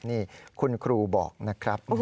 นี่คุณครูบอกนะครับ